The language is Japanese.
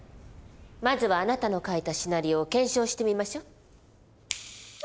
まずはあなたの書いたシナリオを検証してみましょう。